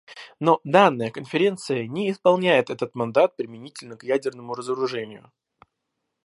Но данная Конференция не исполняет этот мандат применительно к ядерному разоружению.